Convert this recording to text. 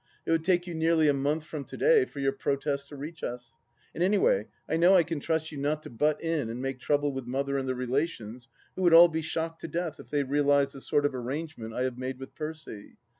It would take you nearly a month from to day for your protest to reach us. And anyway I know I can trust you not to butt in and make trouble with Mother and the relations, who would all be shocked to death if they realized the sort of arrangement I have made with Percy.